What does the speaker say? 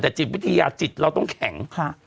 แต่จิตวิทยาจิตเราต้องแข็ง